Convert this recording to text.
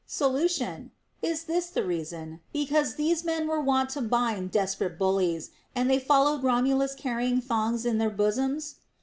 Solution. Is this the reason,, because these men were wont to bind desperate bullies, and they followed Romulus carrying thongs in their bosoms